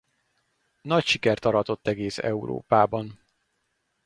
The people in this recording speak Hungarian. Nagy sikert aratott egész Európában.